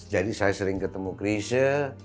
jadi saya sering ketemu krisha